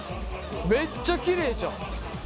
めっちゃキレイじゃん！